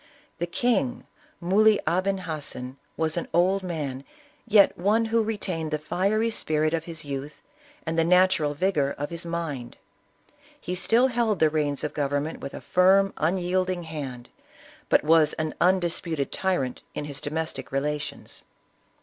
The king, Muley Aben Hassen, was an old man, yet one who retained the fiery spirit of his youth, and the natural vigor of his mind. He still held the reins of government with a firm, un yielding hand, but was an undisputed tyrant in his do mestic relations.